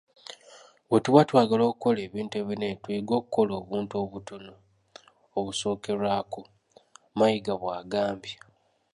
"Bwetuba twagala okukola ebintu ebinene tuyige okukola obuntu obutono obusookerwako,” Mayiga bwagambye.